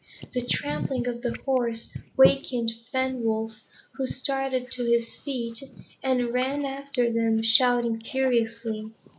The trampling of the horse wakened Fenwolf, who started to his feet, and ran after them, shouting furiously.